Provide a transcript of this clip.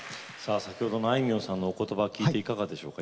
先ほどのあいみょんさんのお言葉聞いていかがでしょうか？